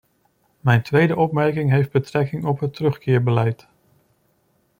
Mijn tweede opmerking heeft betrekking op het terugkeerbeleid.